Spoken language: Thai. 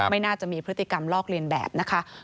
ไม่น่าจะมีพฤติกรรมลอกเลียนแบบนะคะ